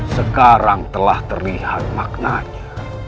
sekarang telah terlihat maknanya